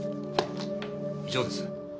以上です。